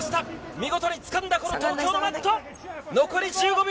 見事につかんだこの東京のマット。